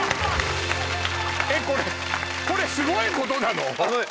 えっこれこれすごいことなの？